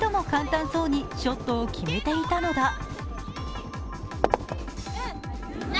簡単そうにショットを決めていたのだ。